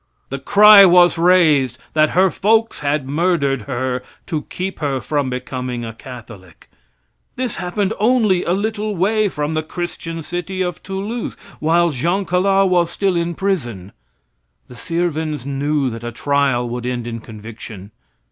The cry was raised that her folks had murdered her to keep her from becoming a Catholic. This happened only a little way from the christian city of Toulouse while Jean Calas was in prison. The Sirvens knew that a trial would end in conviction.